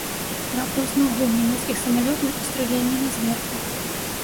Раптам зноў гул нямецкіх самалётаў і страляніна зверху.